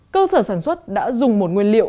cơ sở sản xuất đã dùng một nguyên liệu